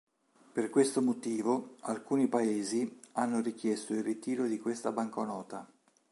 Per questo motivo alcuni paesi hanno richiesto il ritiro di questa banconota.